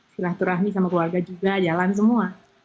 silaturahmi sama keluarga juga jalan semua